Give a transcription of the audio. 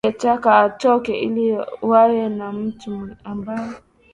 wangetaka atoke ili wawe na mtu ambae